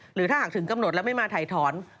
หรือถ้าหากถึงกำหนดแล้วไม่มาถ่ายถอน